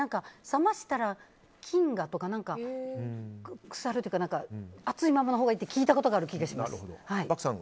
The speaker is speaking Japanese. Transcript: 冷ましたら菌がとか熱いままのほうがいいって聞いたことがある気がします。